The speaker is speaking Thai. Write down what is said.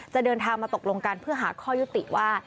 เดินทางมาตกลงกันเพื่อหาข้อยุติว่า